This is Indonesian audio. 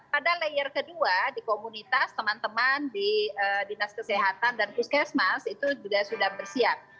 pada layer kedua di komunitas teman teman di dinas kesehatan dan puskesmas itu juga sudah bersiap